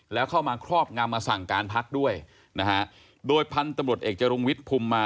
แล้วเข้ามาครอบงำมาสั่งการพักด้วยนะฮะโดยพันธุ์ตำรวจเอกจรุงวิทย์ภูมิมา